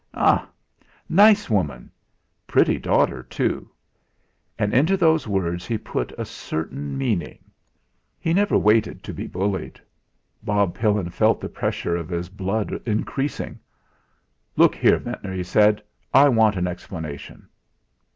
"Ah! Nice woman; pretty daughter, too!" And into those words he put a certain meaning. He never waited to be bullied. Bob Pillin felt the pressure of his blood increasing. "Look here, Ventnor," he said, "I want an explanation."